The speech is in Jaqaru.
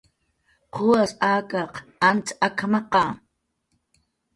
"¿Quwas akaq antz ak""maqa? "